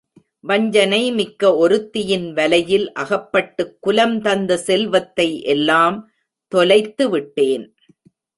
வஞ்சனை மிக்க ஒருத்தியின் வலையில் அகப்பட்டுக் குலம் தந்த செல்வத்தை எல்லாம் தொலைத்து விட்டேன்.